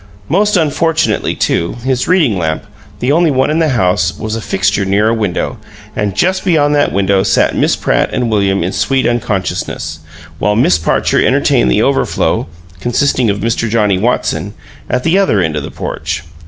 Most unfortunately, too, his reading lamp, the only one in the house, was a fixture near a window, and just beyond that window sat Miss Pratt and William in sweet unconsciousness, while Miss Parcher entertained the overflow (consisting of Mr. Johnnie Watson) at the other end of the porch.